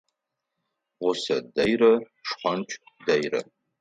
Гъусэ дэйрэ, шхонч дэйрэ.